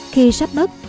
khi sắp mất